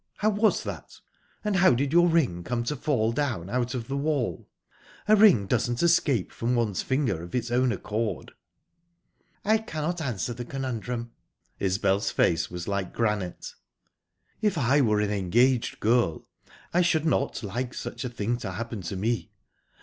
How was that? And how did your ring come to fall down out of the wall? A ring doesn't escape from one's finger of its own accord." "I cannot answer the conundrum." Isbel's face was like granite. "If I were an engaged girl, I should not like such a thing to happen to me.